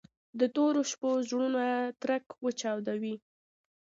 د تورو شپو زړونه ترک وچاودي